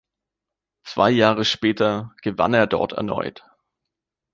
Zwei Jahre später gewann er dort erneut.